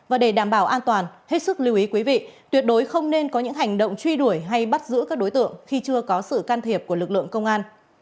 và để đảm bảo an toàn hết sức lưu ý quý vị tuyệt đối không nên có những hành động truy đuổi hay bắt giữ các đối tượng khi chưa có sự can thiệp của lực lượng công an